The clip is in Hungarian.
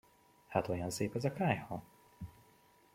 Hát olyan szép az a kályha?